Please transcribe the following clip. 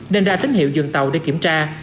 nên ra tín hiệu dừng tàu để kiểm tra